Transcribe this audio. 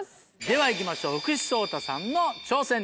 では行きましょう福士蒼汰さんの挑戦です。